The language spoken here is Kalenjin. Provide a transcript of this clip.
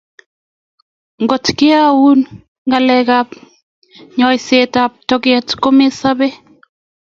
kot keaun ngalek ab nyaiset ab toget ko me sabe